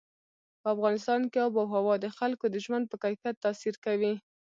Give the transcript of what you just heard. په افغانستان کې آب وهوا د خلکو د ژوند په کیفیت تاثیر کوي.